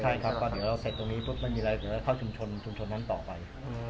ใช่ครับเดี๋ยวเราใส่ตรงนี้บุ๊บมันมีอะไรถึงแล้วเข้าชุมชนนั้นต่อไป